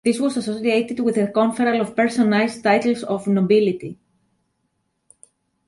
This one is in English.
This was associated with the conferral of personalized titles of nobility.